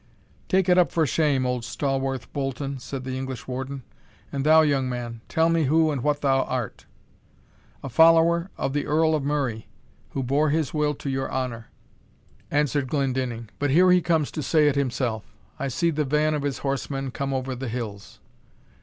"Take it up for shame, old Stawarth Bolton," said the English Warden; "and thou, young man, tell me who and what thou art?" "A follower of the Earl of Murray, who bore his will to your honour," answered Glendinning, "but here he comes to say it himself; I see the van of his horsemen come over the hills."